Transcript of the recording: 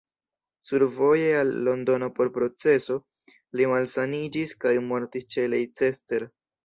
Survoje al Londono por proceso, li malsaniĝis kaj mortis ĉe Leicester.